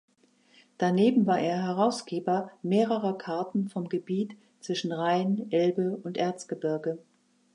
Daneben war er Herausgeber mehrerer Karten vom Gebiet zwischen Rhein, Elbe und Erzgebirge.